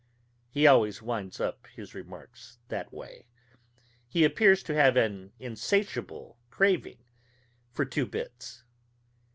He always winds up his remarks that way. He appears to have an insatiable craving for two bits.